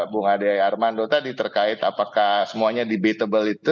bung ade armando tadi terkait apakah semuanya debatable itu